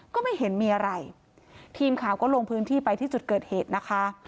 ก็ไม่เห็นมีอะไรทีมข่าวก็ลงพื้นที่ไปที่จุดเกิดเหตุนะคะ